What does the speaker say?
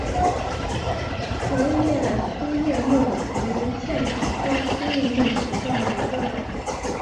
革叶粗叶木为茜草科粗叶木属下的一个种。